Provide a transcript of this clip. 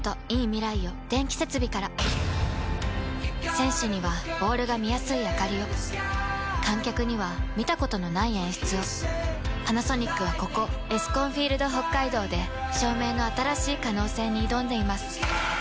選手にはボールが見やすいあかりを観客には見たことのない演出をパナソニックはここエスコンフィールドＨＯＫＫＡＩＤＯで照明の新しい可能性に挑んでいます